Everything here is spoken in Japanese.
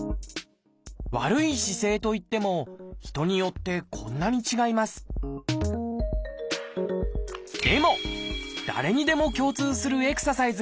悪い姿勢といっても人によってこんなに違いますでも誰にでも共通するエクササイズがあるんです。